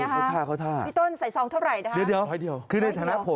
พี่ต้นใส่ซองเท่าไหร่นะคะ๑๐๐เดียวคือในฐานะผม